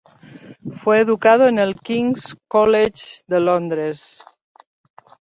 Fue educado en el King's College de Londres.